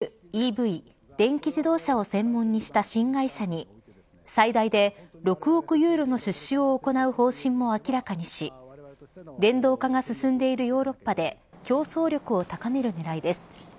また、日産はルノーが設立するＥＶ電気自動車を専門にした新会社に最大で６億ユーロの出資を行う方針も明らかにし電動化が進んでいるヨーロッパで競争力を高める狙いです。